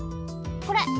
これ。